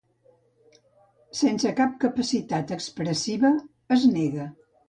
Sense capacitat expressiva es nega.